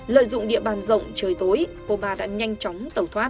lợi dụng địa bàn rộng trời tối cô ba đã nhanh chóng tẩu thoát